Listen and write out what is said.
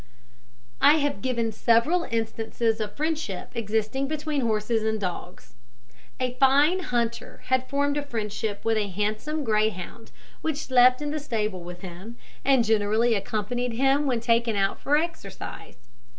I have given several instances of friendship existing between horses and dogs. A fine hunter had formed a friendship with a handsome greyhound which slept in the stable with him, and generally accompanied him when taken out for exercise.